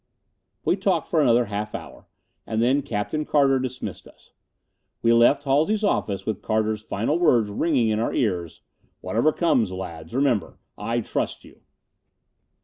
We talked for another half hour, and then Captain Carter dismissed us. We left Halsey's office with Carter's final words ringing in our ears. "Whatever comes, lads, remember I trust you...."